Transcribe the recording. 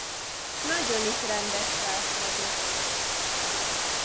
Nagyon is rendes srác vagyok.